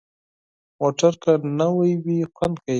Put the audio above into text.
موټر که نوي وي، خوند کوي.